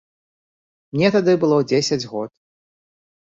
Мне тады было дзесяць год.